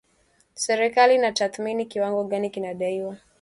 serikali inatathmini kiwango gani kinadaiwa